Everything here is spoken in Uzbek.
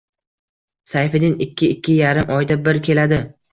Sayfiddin ikki, ikki yarim oyda bir keladi